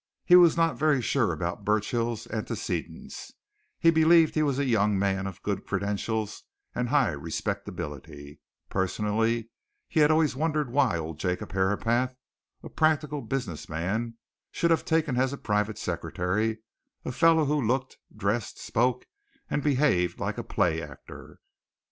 He was not very sure about Burchill's antecedents: he believed he was a young man of good credentials and high respectability personally, he had always wondered why old Jacob Herapath, a practical business man, should have taken as a private secretary a fellow who looked, dressed, spoke, and behaved like a play actor.